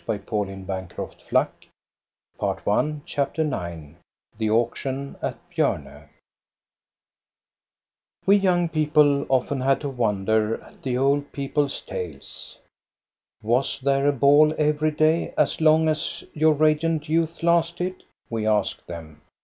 i THE STORY OF GO ST A BE RUNG CHAPTER IX THE AUCTION AT BJORNE We young people often had to wonder at the old people's tales. Was there a ball every day, as long as your radiant youth lasted?" we asked them.